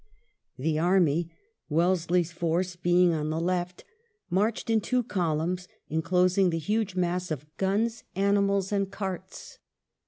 The army, Welleslejr's force being on the left, marched in two columns, enclosing the huge mass of guns, animals, and carts.